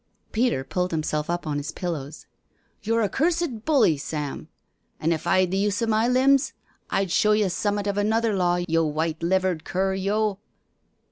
Peter pulled himself up on his pillows. *' You're a cursed bully, Sam, an' if I'd the use o'my limbs I'd show you summat of another law, yo' white livered cur yo'."